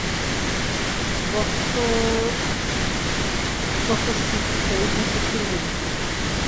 বস্তু যত সূক্ষ্ম, ইহার শক্তিও ততই বেশী।